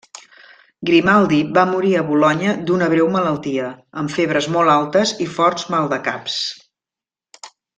Grimaldi va morir a Bolonya d'una breu malaltia amb febres molt altes i forts maldecaps.